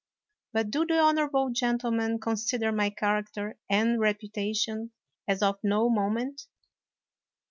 But do the honorable gentlemen con sider my character and reputation as of no mo ment?